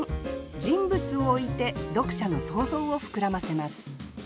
人物を置いて読者の想像を膨らませます